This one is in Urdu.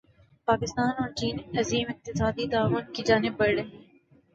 پاکستان اور چین عظیم اقتصادی تعاون کی جانب بڑھ رہے ہیں